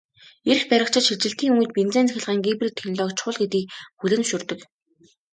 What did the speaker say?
Эрх баригчид шилжилтийн үед бензин-цахилгаан гибрид технологи чухал гэдгийг хүлээн зөвшөөрдөг.